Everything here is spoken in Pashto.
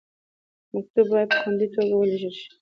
مکتوب باید په خوندي توګه ولیږل شي.